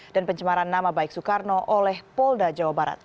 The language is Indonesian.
dan pencemaran nama baik soekarno oleh polda jawa barat